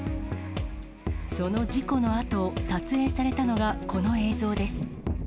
その事故のあと、撮影されたのがこの映像です。